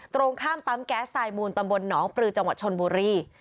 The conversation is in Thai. ตรงข้ามปั๊มแก๊สไตลมูลตำบลหนองปลือจังหวัดชนบุรี